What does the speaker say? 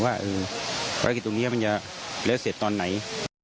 ว่าพลักษณ์ตรงนี้มันจะเสร็จตอนไหน